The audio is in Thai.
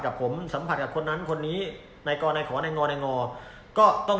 กับผมสัมผัสกับคนนั้นคนนี้นายกอนายขอนายงอนายงอก็ต้อง